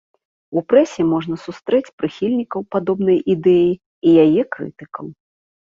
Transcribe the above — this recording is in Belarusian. У прэсе можна сустрэць прыхільнікаў падобнай ідэі і яе крытыкаў.